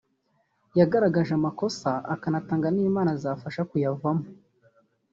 yagaragaje amakosa akanatanga n’inama zafasha kuyavamo